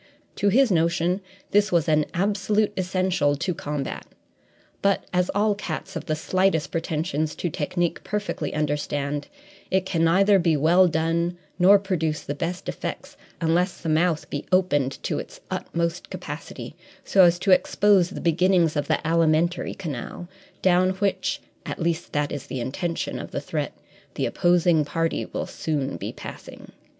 To his notion, this was an absolute essential to combat; but, as all cats of the slightest pretensions to technique perfectly understand, it can neither be well done nor produce the best effects unless the mouth be opened to its utmost capacity so as to expose the beginnings of the alimentary canal, down which at least that is the intention of the threat the opposing party will soon be passing.